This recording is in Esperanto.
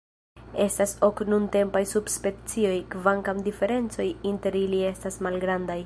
Estas ok nuntempaj subspecioj, kvankam diferencoj inter ili estas malgrandaj.